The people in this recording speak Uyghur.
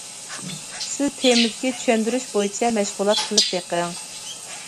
سىز تېمىدىكى چۈشەندۈرۈش بويىچە مەشغۇلات قىلىپ بېقىڭ.